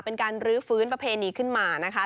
เป็นการรื้อฟื้นประเพณีขึ้นมานะคะ